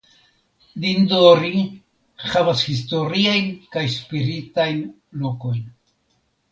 Dindori havas historiajn kaj spiritajn lokojn.